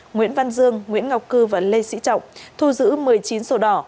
nguyễn văn dương nguyễn ngọc cư và lê sĩ trọng thu giữ một mươi chín sổ đỏ